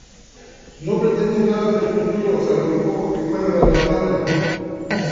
No pretenden nada del futuro salvo lo poco que puedan arrebatarle.